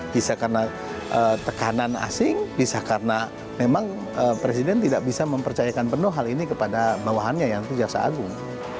bisa karena tekanan asing bisa karena memang presiden tidak bisa mempercayakan penuh hal ini kepada bawahannya yaitu jaksa agung